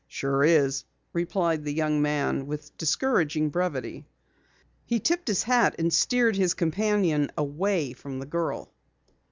"Sure is," replied the young man with discouraging brevity. He tipped his hat and steered his companion away from the girl.